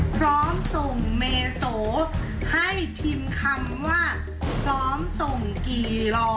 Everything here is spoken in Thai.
โปรดติดตามตอนต่อไป